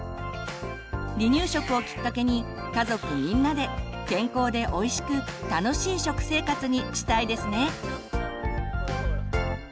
離乳食をきっかけに家族みんなで健康でおいしく楽しい食生活にしたいですね。